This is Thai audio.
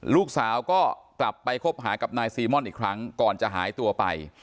ลูกสาวก็กลับไปคบหากับนายซีม่อนอีกครั้งก่อนจะหายตัวไป